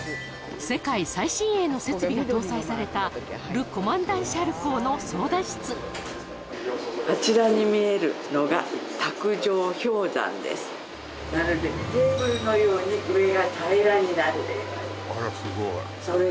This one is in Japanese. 世界最新鋭の設備が搭載されたル・コマンダン・シャルコーの操舵室あちらに見えるのがまるでテーブルのように上が平らになっています